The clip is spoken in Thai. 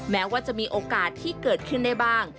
แม้ว่าจะมีโอกาสที่เกิดขึ้นได้บ้าง